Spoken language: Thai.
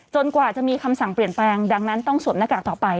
กว่าจะมีคำสั่งเปลี่ยนแปลงดังนั้นต้องสวมหน้ากากต่อไป